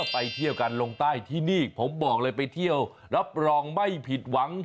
ไปเที่ยวกันลงใต้ที่นี่ผมบอกเลยไปเที่ยวรับรองไม่ผิดหวัง